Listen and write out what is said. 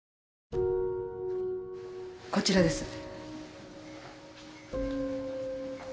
こちらです。